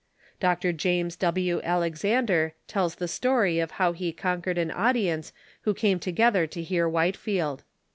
Dr. James AV. Alexander tells the story of how he conquered an audience who came together to hear Whitefield.